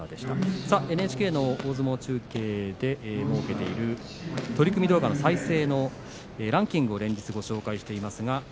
ＮＨＫの大相撲中継で設けている取組動画の再生ランキングを連日ご紹介しています。